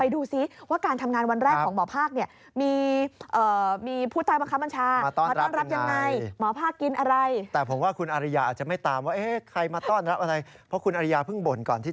ไปดูสิว่าการทำงานวันแรกของหมอภาค